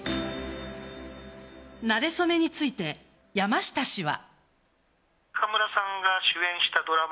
なれ初めについて山下氏は。